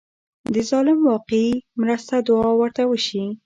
د ظالم واقعي مرسته دعا ورته وشي.